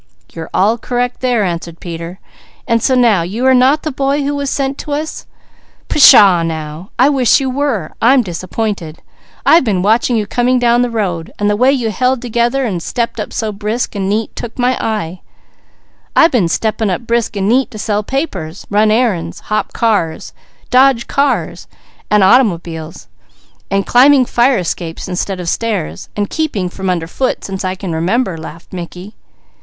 "You're all correct there," agreed Peter. "And so you are not the boy who was to be sent us. Pshaw now! I wish you were. I'm disappointed. I've been watching you coming down the road, and the way you held together and stepped up so brisk and neat took my eye." "I been 'stepping up brisk and neat' to sell papers, run errands, hop cars, dodge cars and automobiles, and climbing fire escapes instead of stairs, and keeping from under foot since I can remember," laughed Mickey.